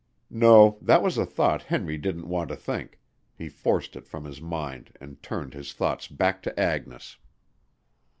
No, that was a thought Henry didn't want to think, he forced it from his mind and turned his thoughts back to Agnes.